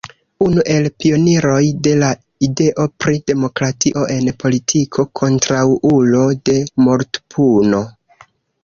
Unu el pioniroj de la ideo pri demokratio en politiko, kontraŭulo de mortpuno.